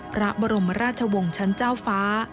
พระบรมราชวงศ์ชั้นเจ้าฟ้า